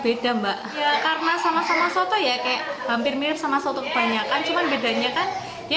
beda mbak karena sama sama soto ya kayak hampir mirip sama soto kebanyakan cuman bedanya kan dia